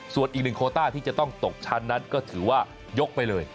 ส่วนอีกหนึ่งโคต้าที่จะต้องตกชั้นนั้นก็ถือว่ายกไปเลย